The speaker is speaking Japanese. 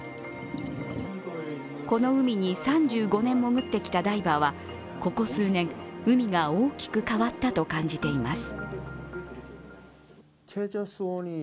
この海に３５年潜ってきたダイバーはここ数年、海が大きく変わったと感じています。